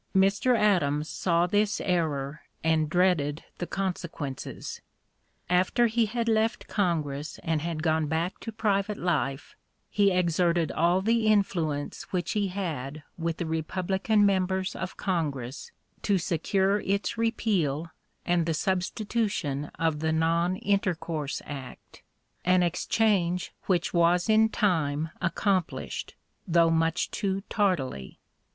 Mr. Adams saw this error and dreaded the consequences. After he had left Congress and had gone back to private life, he exerted all the influence which he had with the Republican members of Congress to secure its repeal and the substitution of the Non intercourse (p. 056) Act, an exchange which was in time accomplished, though much too tardily.